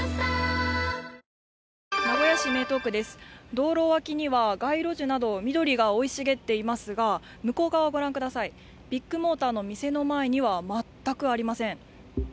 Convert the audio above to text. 道路脇には街路樹など緑が生い茂っていますが、向こう側ご覧ください、ビッグモーターの店の前には全くありません。